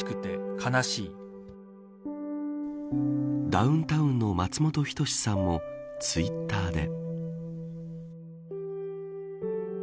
ダウンタウンの松本人志さんもツイッターで。